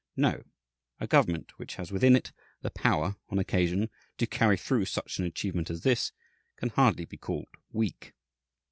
No; a government which has within it the power, on occasion, to carry through such an achievement as this, can hardly be called weak.